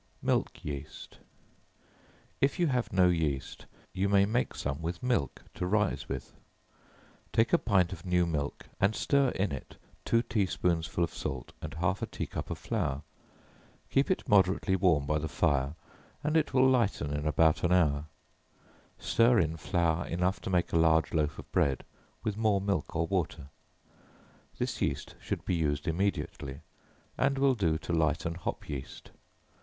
Milk Yeast. If you have no yeast, you may make some with milk, to rise with. Take a pint of new milk and stir in it two tea spoonsful of salt, and half a tea cup of flour; keep it moderately warm by the fire, and it will lighten in about an hour; stir in flour enough to make a large loaf of bread, with more milk or water. This yeast should be used immediately, and will do to lighten hop yeast.